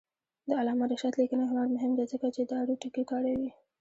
د علامه رشاد لیکنی هنر مهم دی ځکه چې دارو ټکي کاروي.